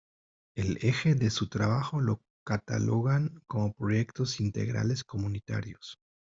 El eje de su trabajo lo catalogan como Proyectos Integrales Comunitarios.